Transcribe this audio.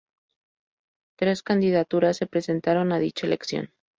Tres candidaturas se presentaron a dicha elección.